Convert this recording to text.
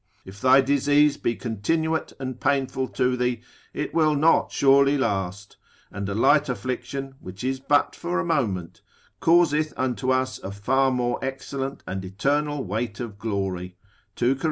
If thy disease be continuate and painful to thee, it will not surely last: and a light affliction, which is but for a moment, causeth unto us a far more excellent and eternal weight of glory, 2 Cor.